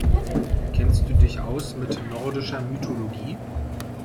Kennst du dich aus mit nordischer Mythologie?